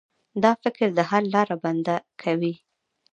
دا فکر د حل لاره بنده کوي.